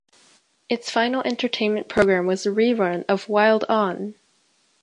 Its final entertainment program was a rerun of Wild On!